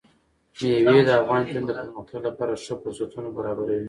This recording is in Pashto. مېوې د افغان نجونو د پرمختګ لپاره ښه فرصتونه برابروي.